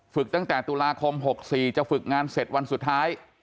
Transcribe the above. ตั้งแต่ตุลาคม๖๔จะฝึกงานเสร็จวันสุดท้าย